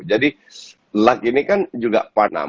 jadi luck ini kan juga panah